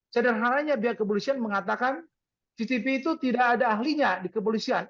sederhananya pihak kepolisian mengatakan cctv itu tidak ada ahlinya di kepolisian